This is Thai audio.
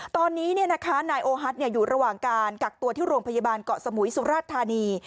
ตอนนี้นายโอฮัทอยู่ระหว่างการกักตัวที่โรงพยาบาลเกาะสมุยสุราชธานี